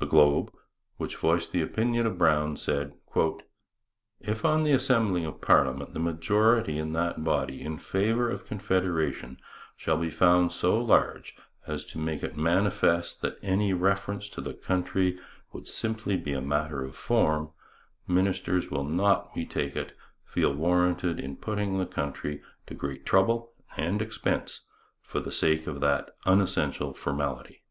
The Globe, which voiced the opinion of Brown, said: If on the assembling of Parliament the majority in that body in favour of Confederation shall be found so large as to make it manifest that any reference to the country would simply be a matter of form, Ministers will not, we take it, feel warranted in putting the country to great trouble and expense for the sake of that unessential formality.